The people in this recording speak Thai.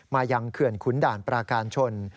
ยังเขื่อนขุนด่านปราการชน